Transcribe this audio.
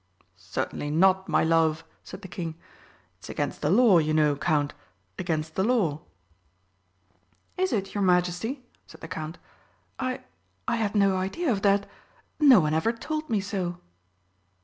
"Certainly not, my love," said the King. "It's against the law, you know, Count, against the law." "Is it, your Majesty?" said the Count. "I I had no idea of that no one ever told me so!"